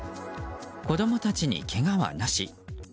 子供たちにけがはなし。